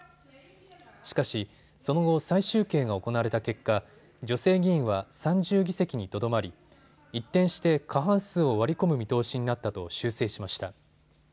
しかし、その後、再集計が行われた結果、女性議員は３０議席にとどまり一転して過半数を割り込む見通しになったと修正しました。